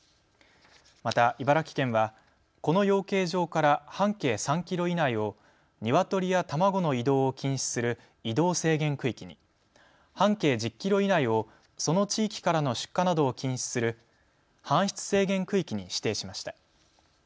また茨城県は、この養鶏場から半径３キロ以内をニワトリや卵の移動を禁止する移動制限区域に、半径１０キロ以内を、その地域からの出荷などを禁止する搬出制限区域に指定しました。